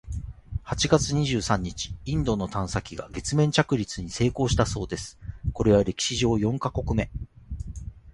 八月二十三日、インドの探査機が月面着陸に成功したそうです！（これは歴史上四カ国目！）